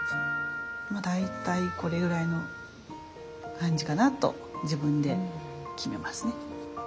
まあ大体これぐらいの感じかなと自分で決めますね。